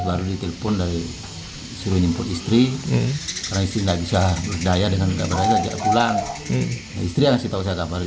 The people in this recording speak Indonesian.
anaknya baik menurut teman teman juga pengakuan yang baik